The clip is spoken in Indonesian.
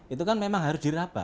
itu kan memang harus diralami ya